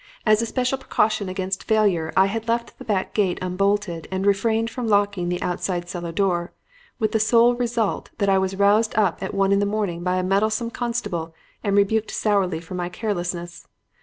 As a special precaution against failure, I had left the back gate unbolted and refrained from locking the outside cellar door; with the sole result that I was roused up at one in the morning by a meddlesome constable and rebuked sourly for my carelessness.